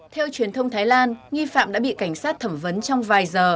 theo truyền thông thái lan nghi phạm đã bị cảnh sát thẩm vấn trong vài giờ